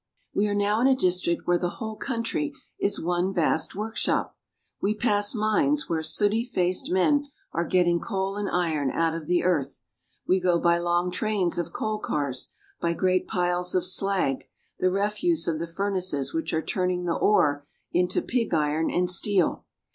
We are now in a district where the whole country is one vast workshop. We pass mines where sooty faced men are getting coal and iron out of the earth. We go by long trains of coal cars, by great piles of slag, the refuse of the furnaces which are turning the ore into pig iron and steel.